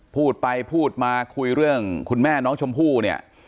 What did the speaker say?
พูดไปพูดมาคุยเรื่องคุณแม่น้องชมพู่เนี่ย